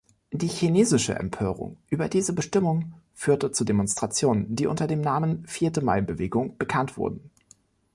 Die chinesische Empörung über diese Bestimmung führte zu Demonstrationen, die unter dem Namen "Vierte Mai-Bewegung" bekannt wurden.